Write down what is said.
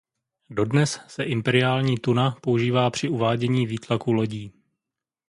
Dodnes se imperiální tuna používá při uvádění výtlaku lodí.